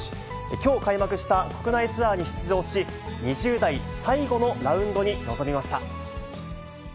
きょう開幕した国内ツアーに出場し、２０代最後のラウンドに臨みました。